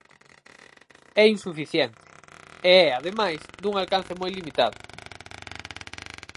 É insuficiente e é ademais dun alcance moi limitado.